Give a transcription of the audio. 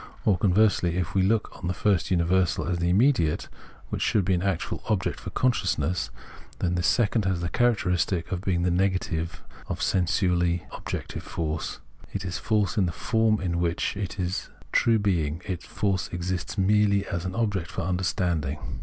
Or, conversely, if we look on the first universal as the immediate, which should be an actual object for consciousness, then this second has the characteristic of being the negative of sensu ously objective force : it is force, in the form in which, in its true being, force exists merely as object for understanding.